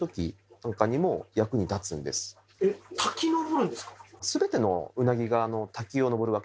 滝登るんですか？